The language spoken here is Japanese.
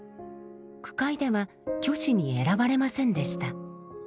句会では虚子に選ばれませんでした。